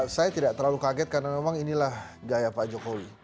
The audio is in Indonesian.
saya tidak terlalu kaget karena memang inilah gaya pak jokowi